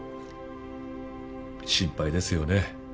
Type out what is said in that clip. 心配ですよね。